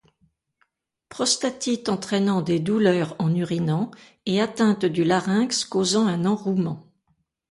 Prostatite entraînant des douleurs en urinant et atteinte du larynx causant un enrouement.